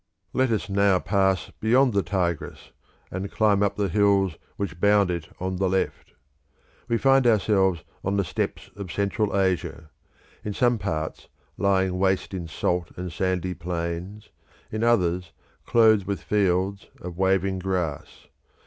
Let us now pass beyond the Tigris and climb up the hills which bound it on the left. We find ourselves on the steppes of Central Asia, in some parts lying waste in salt and sandy plains, in others clothed with fields of waving grass.